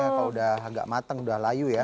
kalau udah gak mateng udah layu ya